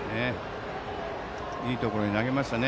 いいところに投げましたね。